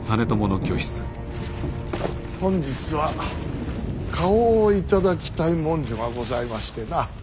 本日は花押を頂きたい文書がございましてな。